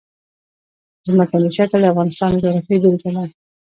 ځمکنی شکل د افغانستان د جغرافیې بېلګه ده.